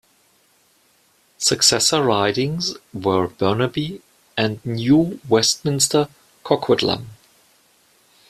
Successor ridings were Burnaby and New Westminster-Coquitlam.